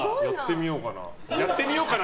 やってみようかな。